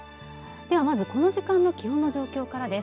ではまずこの時間の気温の状況からです。